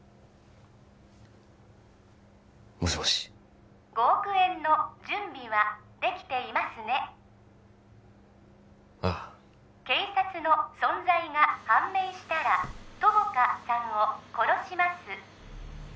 もしもし５億円の準備はできていますねああ警察の存在が判明したら友果さんを殺します